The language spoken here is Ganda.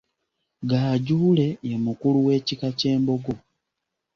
Gaajuule ye mukulu w'ekika ky'Embogo.